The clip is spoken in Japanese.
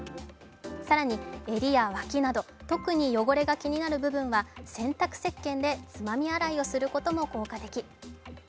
更に、襟や脇など特に汚れが気になるところは洗濯石けんでつまみ洗いをすることも効果的。